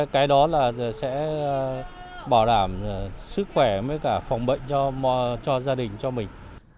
cái đó là sẽ bảo đảm sức khỏe với cả phòng bệnh cho gia đình cho mình